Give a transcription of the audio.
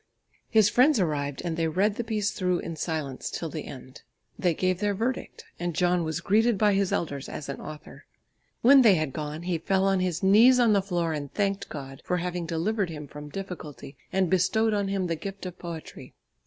His friends arrived and he read the piece through in silence till the end. They gave their verdict, and John was greeted by his elders as an author. When they had gone, he fell on his knees on the floor, and thanked God for having delivered him from difficulty and bestowed on him the gift of poetry.